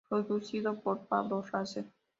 Producido por Pablo Parser.